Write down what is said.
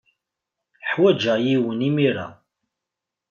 Ḥwajeɣ yiwen imir-a.